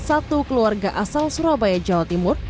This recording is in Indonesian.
satu keluarga asal surabaya jawa timur